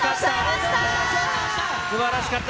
すばらしかった。